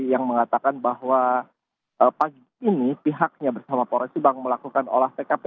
yang mengatakan bahwa pagi ini pihaknya bersama polres subang melakukan olah tkp